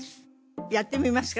やってみますか？